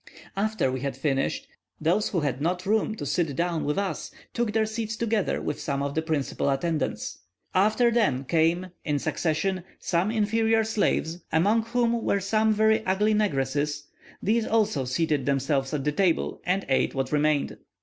After we had finished, those who had not room to sit down with us took their seats together with some of the principal attendants: after them came, in succession, the inferior slaves, among whom were some very ugly negresses; these also seated themselves at the table, and ate what remained.